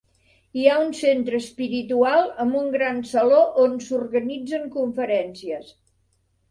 Hi ha un centre espiritual amb un gran saló on s'organitzen conferències.